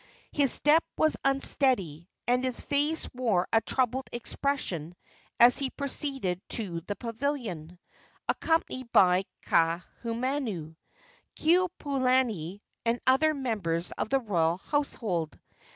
His step was unsteady, and his face wore a troubled expression as he proceeded to the pavilion, accompanied by Kaahumanu, Keopuolani and other members of the royal household.